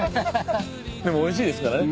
でもおいしいですからね。